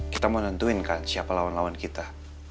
kita mau nentuin kan siapa lawan lawan kita